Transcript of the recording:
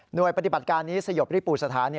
หน่วยปฏิบัติการนี้สยบริปูศธาน